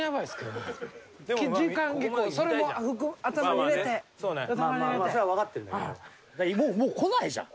もう来ないじゃん！